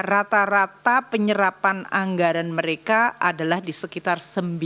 rata rata penyerapan anggaran mereka adalah di sekitar sembilan puluh lima